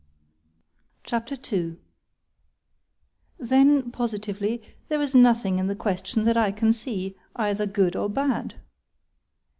C H A P. II ———Then, positively, there is nothing in the question that I can see, either good or bad.